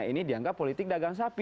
ini dianggap politik dagang sapi